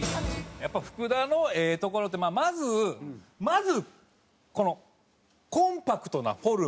やっぱ福田のええところってまずまずこのコンパクトなフォルム。